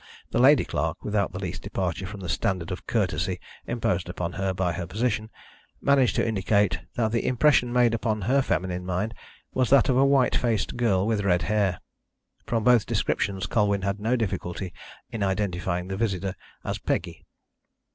The lady clerk, without the least departure from the standard of courtesy imposed upon her by her position, managed to indicate that the impression made upon her feminine mind was that of a white faced girl with red hair. From both descriptions Colwyn had no difficulty in identifying the visitor as Peggy.